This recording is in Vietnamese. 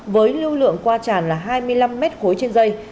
với lưu lượng qua tràn là hai mươi năm mét khối trên dây